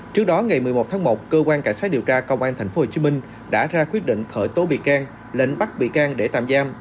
trước đó ngày một mươi một tháng một cơ quan cảnh sát điều tra công an thành phố hồ chí minh đã ra quyết định khởi tố bị can lệnh bắt bị can để tạm giam